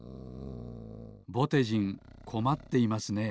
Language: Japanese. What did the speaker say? ぼてじんこまっていますね。